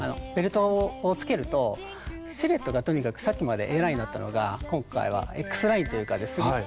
ベルトをつけるとシルエットがとにかくさっきまでＡラインだったのが今回はＸラインというかですね